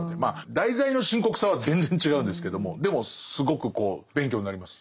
題材の深刻さは全然違うんですけどもでもすごく勉強になります。